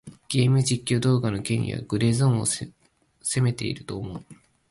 ゲーム実況動画の権利はグレーゾーンを攻めていると思う。